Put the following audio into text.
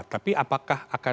tapi apakah akan